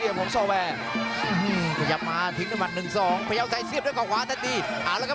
อื้อหืมกระแทกมัดเย็บไซค์